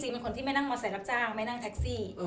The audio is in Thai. เป็นคนที่ไม่นั่งมอเซล์รับจ้างไม่นั่งแท็กซี่